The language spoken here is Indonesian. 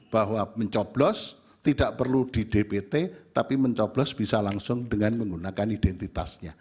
bahwa mencoblos tidak perlu di dpt tapi mencoblos bisa langsung dengan menggunakan identitasnya